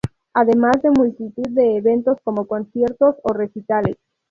Además de multitud de eventos como conciertos, o recitales.